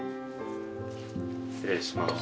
失礼します。